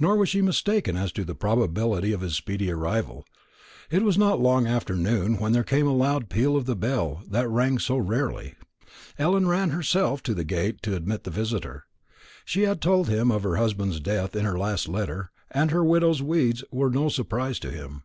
Nor was she mistaken as to the probability of his speedy arrival. It was not long after noon when there came a loud peal of the bell that rang so rarely. Ellen ran herself to the gate to admit the visitor. She had told him of her husband's death in her last letter, and her widow's weeds were no surprise to him.